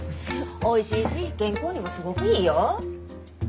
おいしいし健康にもすごくいいよ。